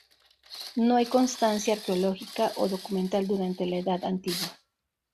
No hay constancia arqueológica o documental durante la Edad Antigua.